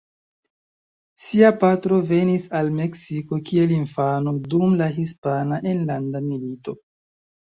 Sia patro venis al Meksiko kiel infano dum la Hispana Enlanda Milito.